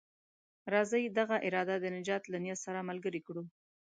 راځئ دغه اراده د نجات له نيت سره ملګرې کړو.